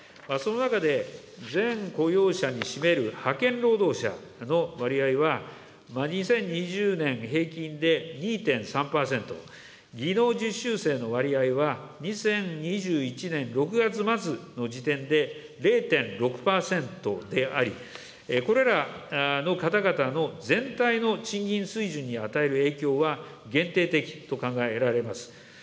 その中で、全雇用者に占める派遣労働者の割合は、２０２０年平均で２．３％、技能実習生の割合は２０２１年６月末の時点で、０．６％であり、これらの方々の全体の賃金水準に与える影響は限定的と考えられます。